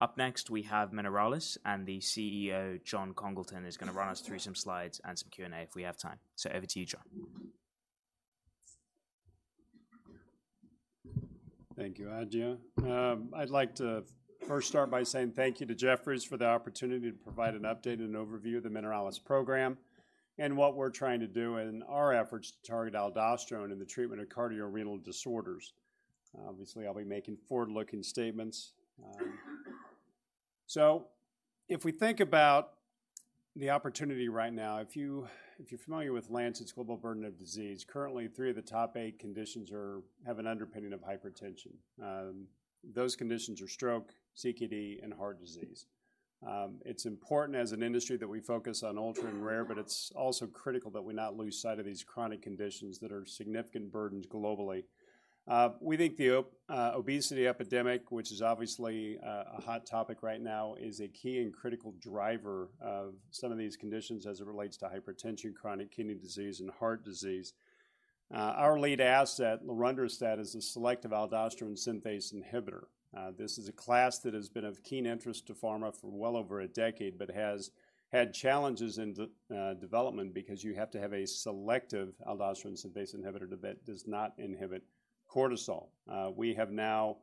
Up next, we have Mineralys, and the CEO, Jon Congleton, is going to run us through some slides and some Q&A if we have time. So over to you, Jon. Thank you, Adja. I'd like to first start by saying thank you to Jefferies for the opportunity to provide an update and overview of the Mineralys program and what we're trying to do in our efforts to target aldosterone in the treatment of cardiorenal disorders. Obviously, I'll be making forward-looking statements. So if we think about the opportunity right now, if you, if you're familiar with Lancet's Global Burden of Disease, currently, three of the top eight conditions have an underpinning of hypertension. Those conditions are stroke, CKD, and heart disease. It's important as an industry that we focus on ultra and rare, but it's also critical that we not lose sight of these chronic conditions that are significant burdens globally. We think the obesity epidemic, which is obviously a hot topic right now, is a key and critical driver of some of these conditions as it relates to hypertension, chronic kidney disease, and heart disease. Our lead asset, lorundrostat, is a selective aldosterone synthase inhibitor. This is a class that has been of keen interest to pharma for well over a decade but has had challenges in development because you have to have a selective aldosterone synthase inhibitor that does not inhibit cortisol. We have now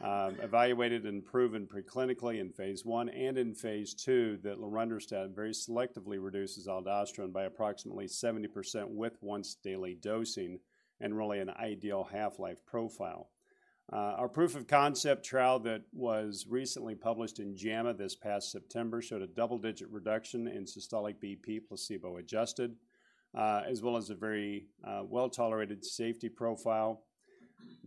evaluated and proven preclinically in phase I and in phase II, that lorundrostat very selectively reduces aldosterone by approximately 70% with once-daily dosing and really an ideal half-life profile. Our proof of concept trial that was recently published in JAMA this past September showed a double-digit reduction in systolic BP, placebo-adjusted, as well as a very well-tolerated safety profile.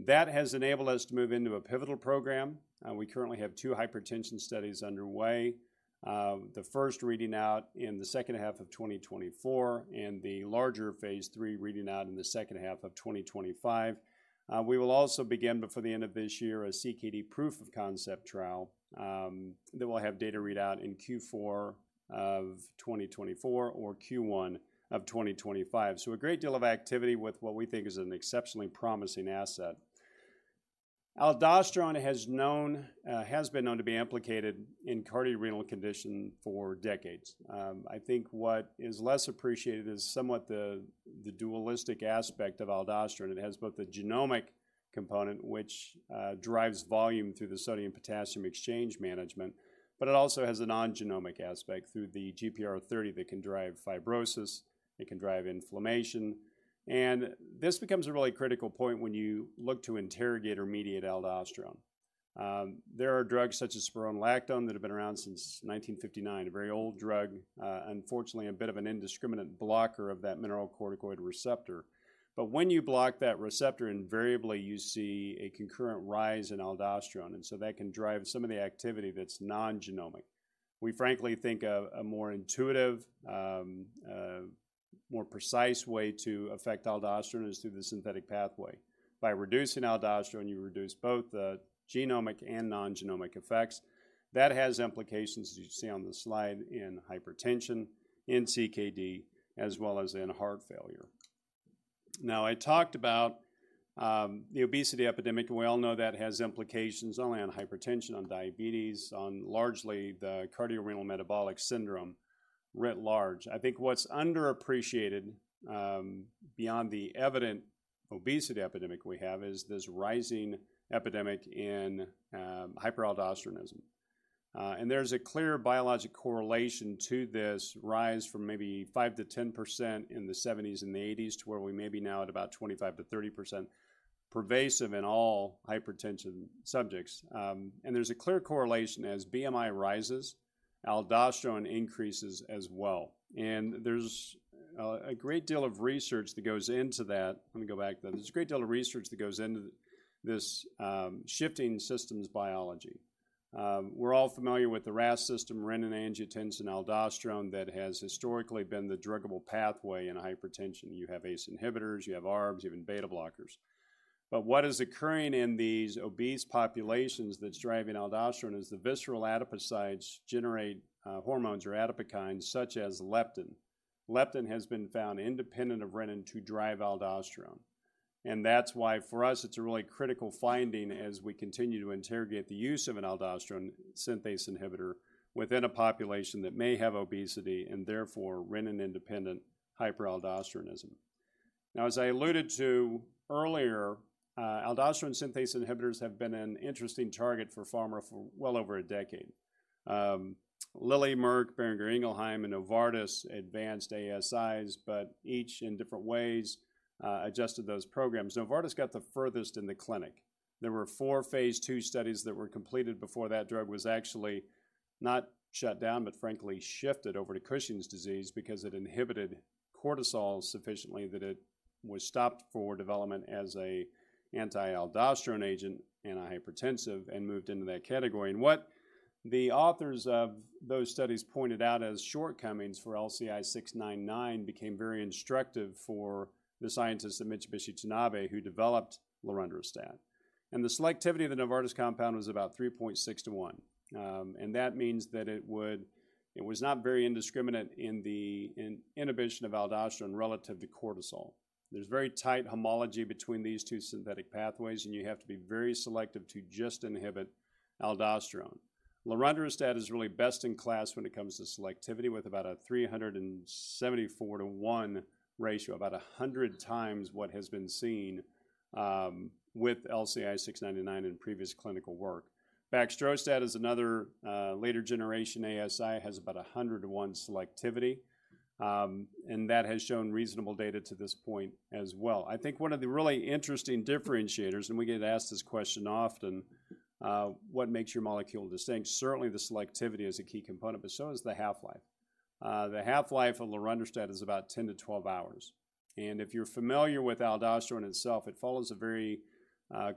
That has enabled us to move into a pivotal program. We currently have two hypertension studies underway. The first reading out in the second half of 2024, and the larger phase III reading out in the second half of 2025. We will also begin, before the end of this year, a CKD proof of concept trial that will have data read out in Q4 of 2024 or Q1 of 2025. So a great deal of activity with what we think is an exceptionally promising asset. Aldosterone has been known to be implicated in cardiorenal condition for decades. I think what is less appreciated is somewhat the dualistic aspect of aldosterone. It has both the genomic component, which drives volume through the sodium-potassium exchange management, but it also has a non-genomic aspect through the GPR30 that can drive fibrosis; it can drive inflammation. And this becomes a really critical point when you look to interrogate or mediate aldosterone. There are drugs such as spironolactone that have been around since 1959, a very old drug, unfortunately, a bit of an indiscriminate blocker of that mineralocorticoid receptor. But when you block that receptor, invariably, you see a concurrent rise in aldosterone, and so that can drive some of the activity that's non-genomic. We frankly think a more intuitive, more precise way to affect aldosterone is through the synthetic pathway. By reducing aldosterone, you reduce both the genomic and non-genomic effects. That has implications, as you see on the slide, in hypertension, in CKD, as well as in heart failure. Now, I talked about the obesity epidemic, and we all know that has implications not only on hypertension, on diabetes, on largely the cardiorenal metabolic syndrome writ large. I think what's underappreciated, beyond the evident obesity epidemic we have, is this rising epidemic in hyperaldosteronism. And there's a clear biologic correlation to this rise from maybe 5%-10% in the '70s and the '80s, to where we may be now at about 25%-30%, pervasive in all hypertension subjects. And there's a clear correlation. As BMI rises, aldosterone increases as well. And there's a great deal of research that goes into that. Let me go back, though. There's a great deal of research that goes into this shifting systems biology. We're all familiar with the RAAS system, renin-angiotensin-aldosterone, that has historically been the druggable pathway in hypertension. You have ACE inhibitors, you have ARBs, you have beta blockers. But what is occurring in these obese populations that's driving aldosterone is the visceral adipocytes generate hormones or adipokines, such as leptin. Leptin has been found independent of renin to drive aldosterone, and that's why, for us, it's a really critical finding as we continue to interrogate the use of an aldosterone synthase inhibitor within a population that may have obesity and therefore renin-independent hyperaldosteronism. Now, as I alluded to earlier, aldosterone synthase inhibitors have been an interesting target for pharma for well over a decade. Lilly, Merck, Boehringer Ingelheim, and Novartis advanced ASIs, but each in different ways, adjusted those programs. Novartis got the furthest in the clinic. There were four phase II studies that were completed before that drug was actually not shut down, but frankly shifted over to Cushing's disease because it inhibited cortisol sufficiently, that it was stopped for development as a anti-aldosterone agent, antihypertensive, and moved into that category. And what the authors of those studies pointed out as shortcomings for LCI699 became very instructive for the scientists at Mitsubishi Tanabe, who developed lorundrostat... and the selectivity of the Novartis compound was about 3.6:1. And that means that it would-- it was not very indiscriminate in the, in inhibition of aldosterone relative to cortisol. There's very tight homology between these two synthetic pathways, and you have to be very selective to just inhibit aldosterone. Lorundrostat is really best in class when it comes to selectivity, with about a 374-to-1 ratio, about 100 times what has been seen with LCI699 in previous clinical work. Baxdrostat is another later generation ASI, has about a 100-to-1 selectivity, and that has shown reasonable data to this point as well. I think one of the really interesting differentiators, and we get asked this question often, what makes your molecule distinct? Certainly, the selectivity is a key component, but so is the half-life. The half-life of lorundrostat is about 10-12 hours, and if you're familiar with aldosterone itself, it follows a very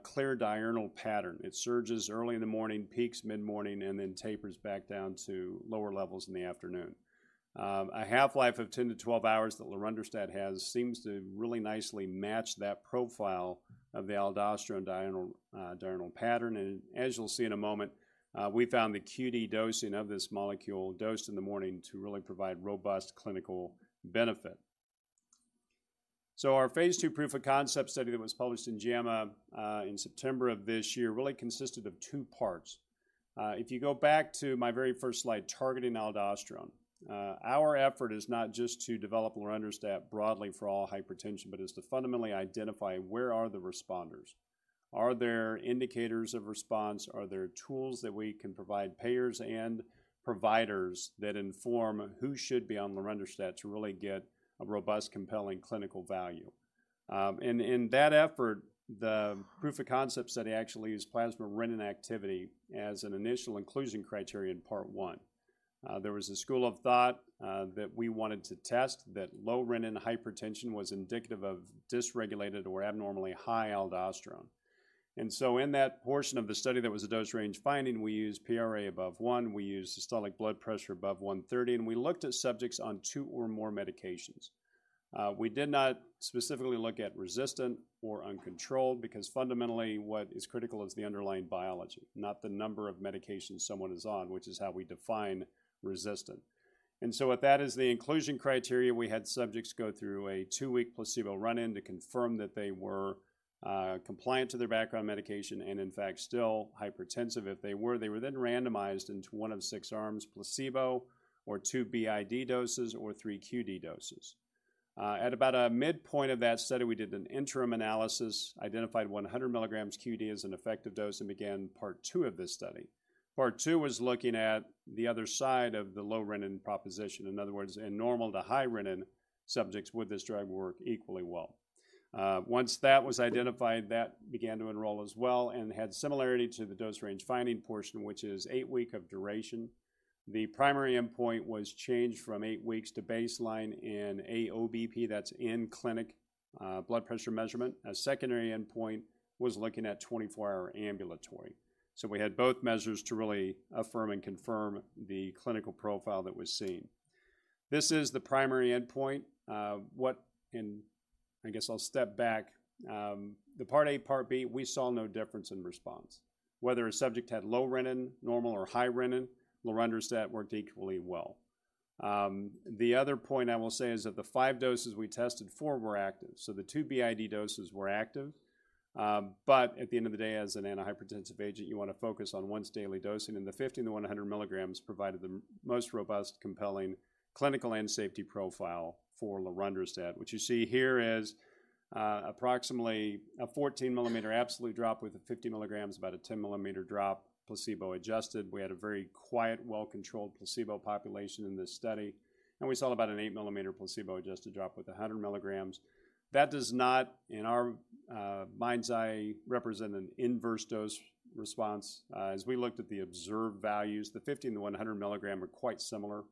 clear diurnal pattern. It surges early in the morning, peaks mid-morning, and then tapers back down to lower levels in the afternoon. A half-life of 10-12 hours that lorundrostat has seems to really nicely match that profile of the aldosterone diurnal pattern. As you'll see in a moment, we found the QD dosing of this molecule dosed in the morning to really provide robust clinical benefit. Our phase two proof of concept study that was published in JAMA in September of this year really consisted of two parts. If you go back to my very first slide, targeting aldosterone, our effort is not just to develop lorundrostat broadly for all hypertension, but is to fundamentally identify where are the responders? Are there indicators of response? Are there tools that we can provide payers and providers that inform who should be on lorundrostat to really get a robust, compelling clinical value? And in that effort, the proof of concept study actually used plasma renin activity as an initial inclusion criterion in part 1. There was a school of thought that we wanted to test that low renin hypertension was indicative of dysregulated or abnormally high aldosterone. And so in that portion of the study, there was a dose range finding. We used PRA above 1, we used systolic blood pressure above 130, and we looked at subjects on 2 or more medications. We did not specifically look at resistant or uncontrolled, because fundamentally, what is critical is the underlying biology, not the number of medications someone is on, which is how we define resistant. And so with that as the inclusion criteria, we had subjects go through a 2-week placebo run-in to confirm that they were compliant to their background medication and in fact, still hypertensive. If they were, they were then randomized into one of the 6 arms, placebo or 2 BID doses or 3 QD doses. At about a midpoint of that study, we did an interim analysis, identified 100 milligrams QD as an effective dose, and began part two of this study. Part 2 was looking at the other side of the low renin proposition. In other words, in normal to high renin subjects, would this drug work equally well? Once that was identified, that began to enroll as well and had similarity to the dose range finding portion, which is 8-week of duration. The primary endpoint was changed from 8 weeks to baseline in AOBP, that's in-clinic blood pressure measurement. A secondary endpoint was looking at 24-hour ambulatory. So we had both measures to really affirm and confirm the clinical profile that was seen. This is the primary endpoint. And I guess I'll step back. The part A, part B, we saw no difference in response. Whether a subject had low renin, normal, or high renin, lorundrostat worked equally well. The other point I will say is that the 5 doses we tested, 4 were active. So the two BID doses were active, but at the end of the day, as an antihypertensive agent, you wanna focus on once daily dosing, and the 50 and the 100 milligrams provided the most robust, compelling clinical and safety profile for lorundrostat, which you see here is approximately a 14-mm absolute drop with the 50 mg, about a 10-mm drop, placebo-adjusted. We had a very quiet, well-controlled placebo population in this study, and we saw about an 8-mm placebo-adjusted drop with a 100 milligrams. That does not, in our mind's eye, represent an inverse dose response. As we looked at the observed values, the 50 and the 100 mg are quite similar.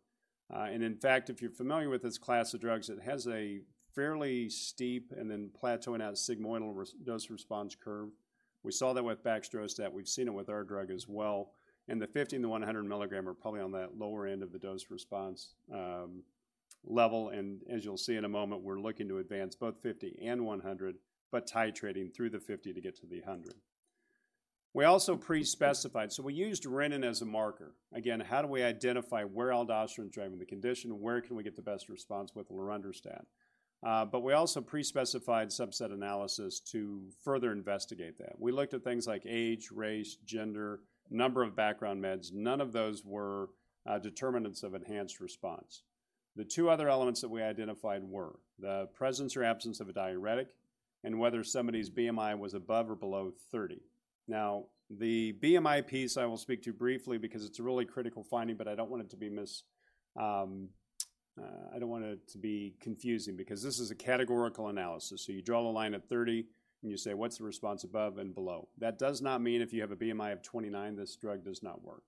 And in fact, if you're familiar with this class of drugs, it has a fairly steep and then plateauing out sigmoidal dose response curve. We saw that with baxdrostat. We've seen it with our drug as well, and the 50 and the 100 mg are probably on that lower end of the dose response level. As you'll see in a moment, we're looking to advance both 50 and 100, but titrating through the 50 to get to the 100. We also pre-specified, so we used renin as a marker. Again, how do we identify where aldosterone is driving the condition? Where can we get the best response with lorundrostat? But we also pre-specified subset analysis to further investigate that. We looked at things like age, race, gender, number of background meds. None of those were determinants of enhanced response. The two other elements that we identified were: the presence or absence of a diuretic, and whether somebody's BMI was above or below 30. Now, the BMI piece I will speak to briefly because it's a really critical finding, but I don't want it to be confusing because this is a categorical analysis. So you draw the line at 30, and you say, "What's the response above and below?" That does not mean if you have a BMI of 29, this drug does not work.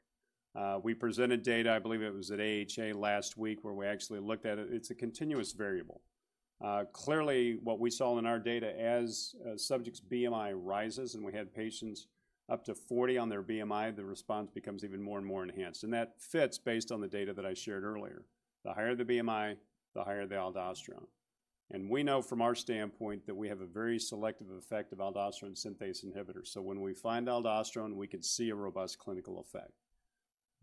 We presented data, I believe it was at AHA last week, where we actually looked at it. It's a continuous variable. Clearly, what we saw in our data as subjects' BMI rises, and we had patients up to 40 on their BMI, the response becomes even more and more enhanced, and that fits based on the data that I shared earlier. The higher the BMI, the higher the aldosterone. We know from our standpoint that we have a very selective effect of aldosterone synthase inhibitor. So when we find aldosterone, we can see a robust clinical effect.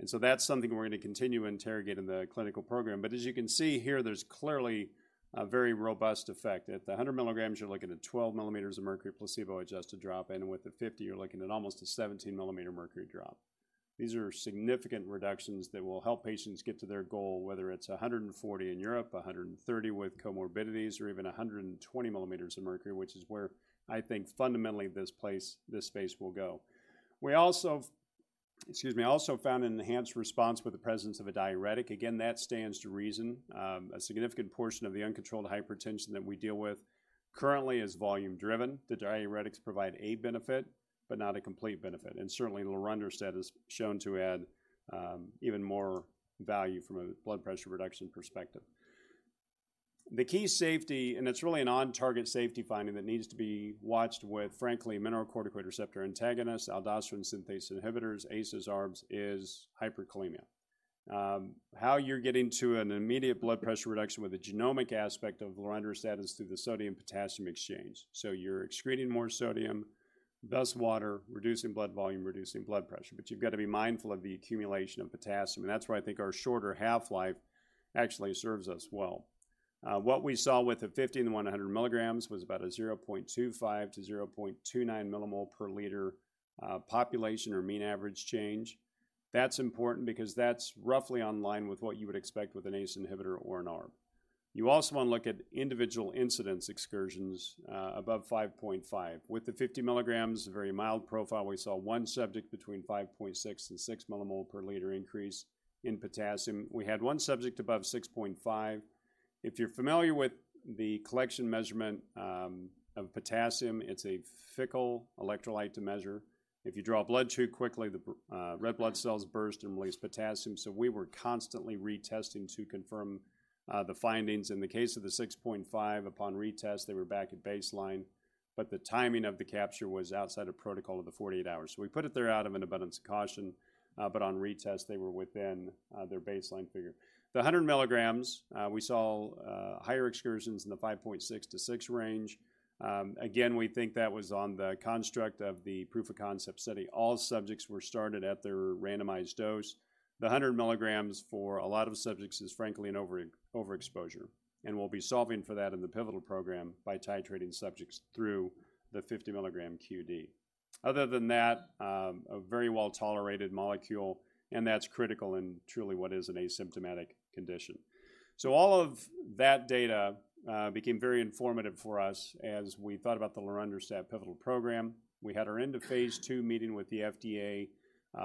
And so that's something we're going to continue interrogating the clinical program. But as you can see here, there's clearly a very robust effect. At the 100 mg, you're looking at 12 millimeters of mercury, placebo-adjusted drop in, and with the 50, you're looking at almost a 17 mmHg drop. These are significant reductions that will help patients get to their goal, whether it's 140 in Europe, 130 with comorbidities, or even 120 mmHg, which is where I think fundamentally this space will go. We also, excuse me, also found an enhanced response with the presence of a diuretic. Again, that stands to reason. A significant portion of the uncontrolled hypertension that we deal with currently is volume-driven. The diuretics provide a benefit, but not a complete benefit, and certainly lorundrostat is shown to add even more value from a blood pressure reduction perspective. The key safety, and it's really an on-target safety finding that needs to be watched with, frankly, mineralocorticoid receptor antagonist, aldosterone synthase inhibitors, ACEs, ARBs, is hyperkalemia. How you're getting to an immediate blood pressure reduction with a genomic aspect of lorundrostat is through the sodium-potassium exchange. So you're excreting more sodium, thus water, reducing blood volume, reducing blood pressure. But you've got to be mindful of the accumulation of potassium, and that's why I think our shorter half-life actually serves us well. What we saw with the 50 mg and 100 mg was about a 0.25-0.29 millimole per liter population or mean average change. That's important because that's roughly in line with what you would expect with an ACE inhibitor or an ARB. You also want to look at individual incidence excursions above 5.5. With the 50 milligrams, a very mild profile, we saw one subject between 5.6 and 6 millimole per liter increase in potassium. We had one subject above 6.5. If you're familiar with the collection measurement of potassium, it's a fickle electrolyte to measure. If you draw blood too quickly, red blood cells burst and release potassium, so we were constantly retesting to confirm the findings. In the case of the 6.5, upon retest, they were back at baseline, but the timing of the capture was outside of protocol of the 48 hours. So we put it there out of an abundance of caution, but on retest, they were within their baseline figure. The 100 mg, we saw higher excursions in the 5.6-6 range. Again, we think that was on the construct of the proof of concept study. All subjects were started at their randomized dose. The 100 mg for a lot of subjects is frankly an overexposure, and we'll be solving for that in the pivotal program by titrating subjects through the 50-mg QD. Other than that, a very well-tolerated molecule, and that's critical in truly what is an asymptomatic condition. So all of that data became very informative for us as we thought about the lorundrostat pivotal program. We had our end of phase II meeting with the FDA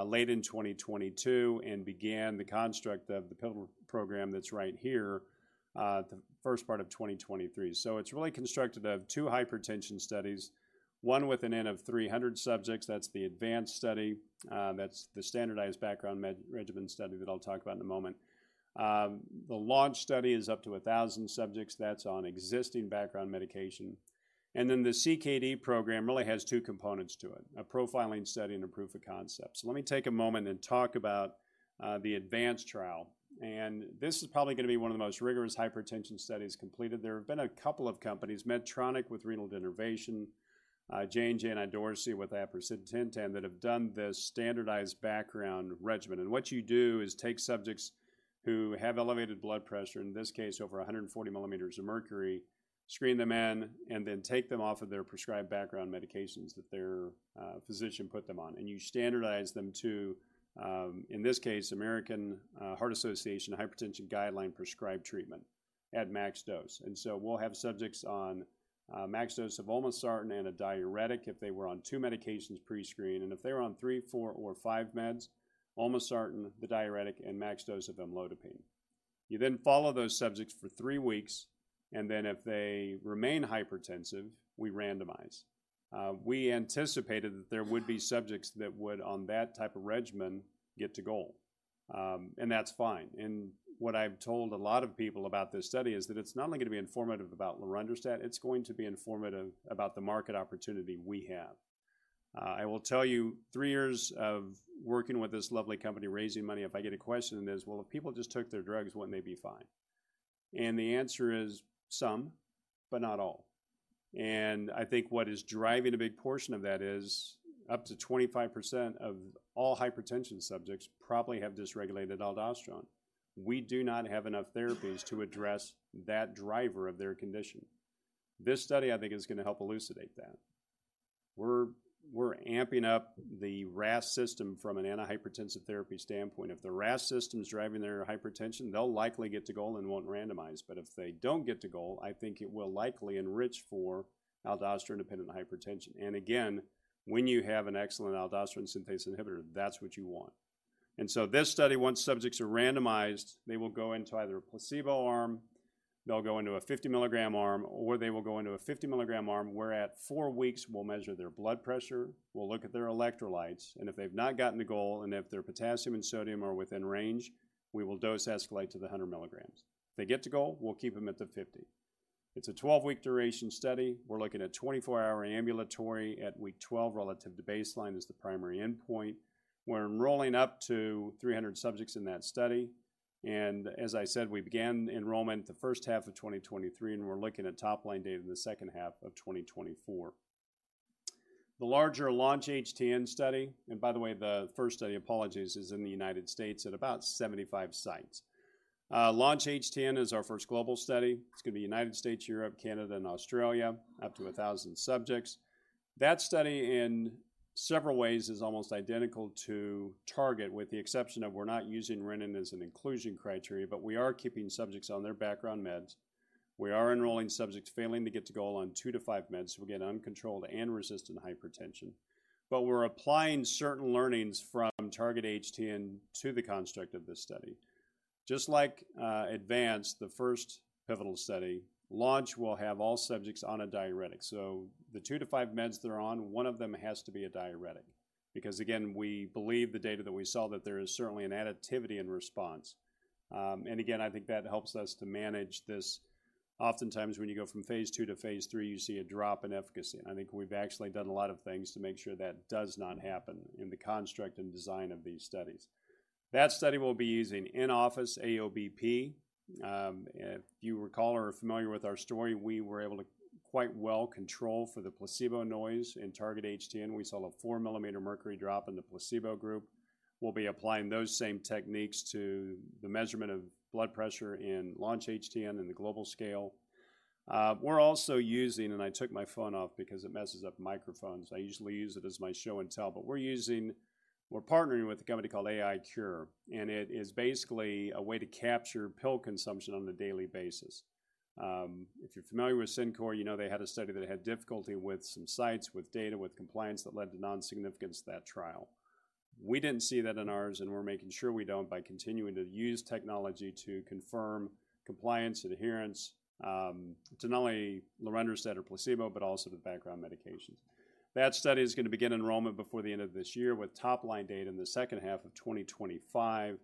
late in 2022 and began the construct of the pivotal program that's right here the first part of 2023. So it's really constructed of two hypertension studies, one with an N of 300 subjects. That's the ADVANCE study. That's the standardized background med regimen study that I'll talk about in a moment. The LAUNCH study is up to 1,000 subjects. That's on existing background medication. And then the CKD program really has two components to it, a profiling study and a proof of concept. So let me take a moment and talk about the ADVANCE trial, and this is probably gonna be one of the most rigorous hypertension studies completed. There have been a couple of companies, Medtronic, with renal denervation, Idorsia with aprocitentan, that have done this standardized background regimen. What you do is take subjects who have elevated blood pressure, in this case, over 140 mmHg, screen them in, and then take them off of their prescribed background medications that their physician put them on. You standardize them to, in this case, American Heart Association Hypertension Guideline prescribed treatment at max dose. So we'll have subjects on max dose of olmesartan and a diuretic if they were on two medications pre-screen, and if they were on three, four, or five meds, olmesartan, the diuretic, and max dose of amlodipine. You then follow those subjects for three weeks, and then if they remain hypertensive, we randomize. We anticipated that there would be subjects that would, on that type of regimen, get to goal, and that's fine. And what I've told a lot of people about this study is that it's not only going to be informative about lorundrostat, it's going to be informative about the market opportunity we have. I will tell you, three years of working with this lovely company, raising money, if I get a question, is, "Well, if people just took their drugs, wouldn't they be fine?" And the answer is some, but not all. And I think what is driving a big portion of that is up to 25% of all hypertension subjects probably have dysregulated aldosterone. We do not have enough therapies to address that driver of their condition. This study, I think, is gonna help elucidate that. We're amping up the RAS system from an antihypertensive therapy standpoint. If the RAS system is driving their hypertension, they'll likely get to goal and won't randomize. But if they don't get to goal, I think it will likely enrich for aldosterone-dependent hypertension. And again, when you have an excellent aldosterone synthase inhibitor, that's what you want. And so this study, once subjects are randomized, they will go into either a placebo arm, they'll go into a 50-mg arm, or they will go into a 50-mg arm, where at 4 weeks, we'll measure their blood pressure, we'll look at their electrolytes, and if they've not gotten to goal, and if their potassium and sodium are within range, we will dose escalate to the 100 milligrams. If they get to goal, we'll keep them at the 50.... It's a 12-week duration study. We're looking at 24-hour ambulatory at week 12, relative to baseline as the primary endpoint. We're enrolling up to 300 subjects in that study, and as I said, we began enrollment the first half of 2023, and we're looking at top-line data in the second half of 2024. The larger LAUNCH-HTN study, and by the way, the first study, apologies, is in the United States at about 75 sites. LAUNCH-HTN is our first global study. It's going to be United States, Europe, Canada, and Australia, up to 1,000 subjects. That study, in several ways, is almost identical to TARGET, with the exception of we're not using renin as an inclusion criteria, but we are keeping subjects on their background meds. We are enrolling subjects failing to get to goal on 2-5 meds, so again, uncontrolled and resistant hypertension. But we're applying certain learnings from TARGET-HTN to the construct of this study. Just like ADVANCE, the first pivotal study, LAUNCH will have all subjects on a diuretic. So the 2-5 meds they're on, one of them has to be a diuretic. Because, again, we believe the data that we saw, that there is certainly an additivity in response. And again, I think that helps us to manage this. Oftentimes, when you go from phase 2 to phase 3, you see a drop in efficacy. I think we've actually done a lot of things to make sure that does not happen in the construct and design of these studies. That study will be using in-office AOBP. If you recall or are familiar with our story, we were able to quite well control for the placebo noise in TARGET-HTN. We saw a 4 mmHg drop in the placebo group. We'll be applying those same techniques to the measurement of blood pressure in LAUNCH-HTN in the global scale. We're also using... I took my phone off because it messes up microphones. I usually use it as my show and tell, but we're partnering with a company called AiCure, and it is basically a way to capture pill consumption on a daily basis. If you're familiar with CinCor, you know they had a study that had difficulty with some sites, with data, with compliance, that led to non-significance of that trial. We didn't see that in ours, and we're making sure we don't by continuing to use technology to confirm compliance, adherence, to not only lorundrostat or placebo, but also the background medications. That study is going to begin enrollment before the end of this year, with top-line data in the second half of 2025.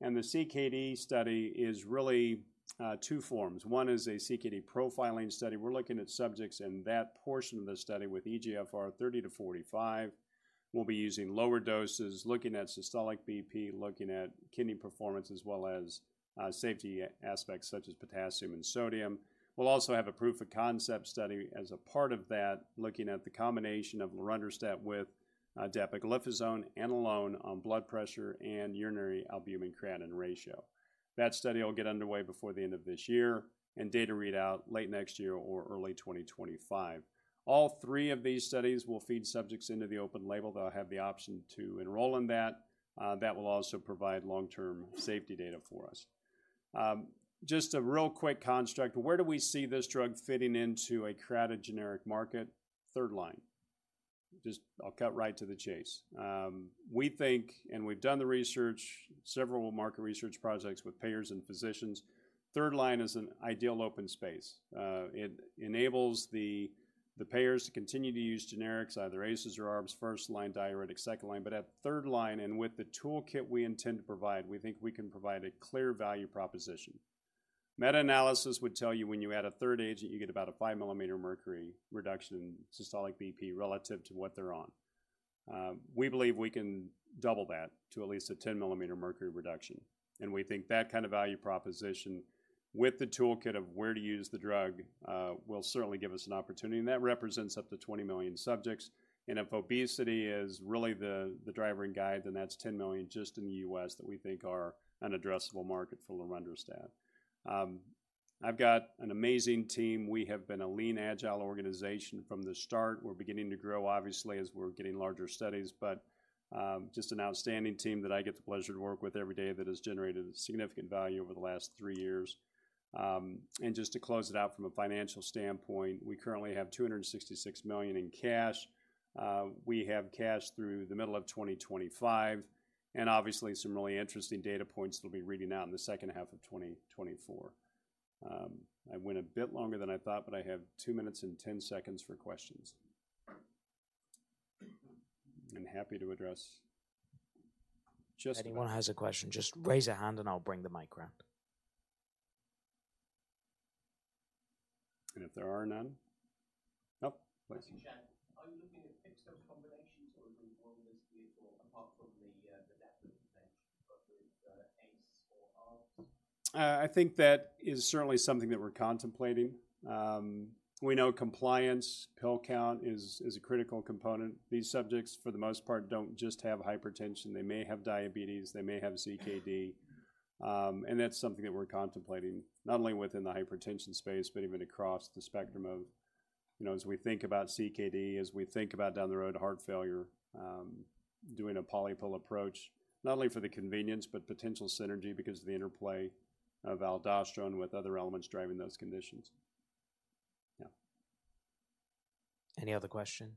The CKD study is really two forms. One is a CKD profiling study. We're looking at subjects in that portion of the study with eGFR 30-45. We'll be using lower doses, looking at systolic BP, looking at kidney performance, as well as safety aspects such as potassium and sodium. We'll also have a proof of concept study as a part of that, looking at the combination of lorundrostat with dapagliflozin and alone on blood pressure and urinary albumin-creatinine ratio. That study will get underway before the end of this year, and data readout late next year or early 2025. All three of these studies will feed subjects into the open label. They'll have the option to enroll in that. That will also provide long-term safety data for us. Just a real quick construct, where do we see this drug fitting into the generic market? Third line. Just, I'll cut right to the chase. We think, and we've done the research, several market research projects with payers and physicians, third line is an ideal open space. It enables the payers to continue to use generics, either ACEs or ARBs, first-line diuretic, second line. But at third line, and with the toolkit we intend to provide, we think we can provide a clear value proposition. Meta-analysis would tell you when you add a third agent, you get about a 5 mm Hg reduction in systolic BP relative to what they're on. We believe we can double that to at least a 10-mmHg reduction, and we think that kind of value proposition with the toolkit of where to use the drug will certainly give us an opportunity, and that represents up to 20 million subjects. If obesity is really the driving guide, then that's 10 million just in the U.S. that we think are an addressable market for lorundrostat. I've got an amazing team. We have been a lean, agile organization from the start. We're beginning to grow, obviously, as we're getting larger studies, but just an outstanding team that I get the pleasure to work with every day that has generated significant value over the last 3 years. And just to close it out from a financial standpoint, we currently have $266 million in cash. We have cash through the middle of 2025, and obviously, some really interesting data points that'll be reading out in the second half of 2024. I went a bit longer than I thought, but I have 2 minutes and 10 seconds for questions. I'm happy to address just- If anyone has a question, just raise a hand and I'll bring the mic around. And if there are none... Yeah. Are you looking at fixed-dose combinations or apart from the depth of ACE or ARBs? I think that is certainly something that we're contemplating. We know compliance, pill count is a critical component. These subjects, for the most part, don't just have hypertension. They may have diabetes, they may have CKD, and that's something that we're contemplating, not only within the hypertension space, but even across the spectrum of... You know, as we think about CKD, as we think about down the road, heart failure, doing a polypill approach, not only for the convenience, but potential synergy because of the interplay of aldosterone with other elements driving those conditions. Yeah. Any other questions